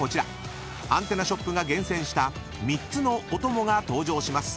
［アンテナショップが厳選した３つのおともが登場します］